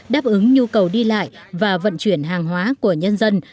đáp ứng nhu cầu đi lại và vận chuyển hàng hóa của nhân dân